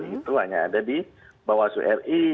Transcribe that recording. itu hanya ada di bawah suri